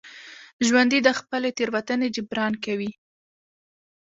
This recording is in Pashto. ژوندي د خپلې تېروتنې جبران کوي